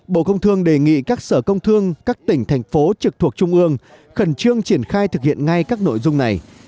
bộ công thương đề nghị các sở công thương các tỉnh thành phố trực thuộc trung ương khẩn trương triển khai thực hiện ngay các nội dung này